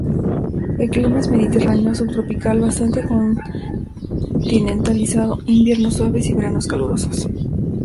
El clima es mediterráneo subtropical bastante continentalizado: inviernos suaves y veranos calurosos.